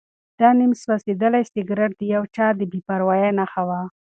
دا نیم سوځېدلی سګرټ د یو چا د بې پروایۍ نښه وه.